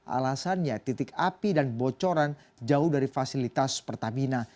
alasannya titik api dan bocoran jauh dari fasilitas pertamina